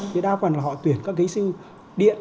thì đa phần là họ tuyển các kế sinh điện